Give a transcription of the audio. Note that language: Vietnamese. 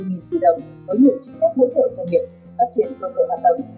hỗ trợ doanh nghiệp phát triển cơ sở hoạt động